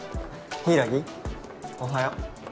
柊おはよう。